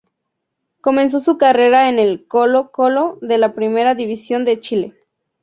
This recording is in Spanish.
Comenzó su carrera en el Colo-Colo de la Primera División de Chile.